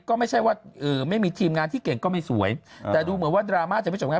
ก็ไม่ใช่ว่าไม่มีทีมงานที่เก่งก็ไม่สวยแต่ดูเหมือนว่าดราม่าจะไม่จบง่าย